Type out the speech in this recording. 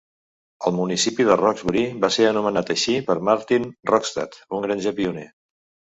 El municipi de Rocksbury va ser anomenat així per Martin Rockstad, un granger pioner.